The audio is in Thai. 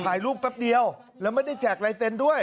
ถ่ายรูปแป๊บเดียวแล้วไม่ได้แจกลายเซ็นต์ด้วย